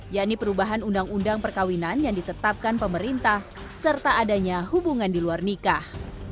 yakni perubahan undang undang perkawinan yang ditetapkan pemerintah serta adanya hubungan di luar nikah